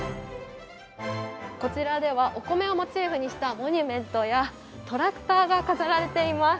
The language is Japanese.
こちらではお米をモチーフにしたモニュメントやトラクターが飾られています。